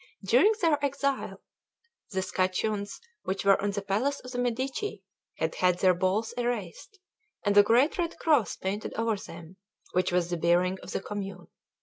During their exile the scutcheons which were on the palace of the Medici had had their balls erased, and a great red cross painted over them, which was the bearing of the Commune.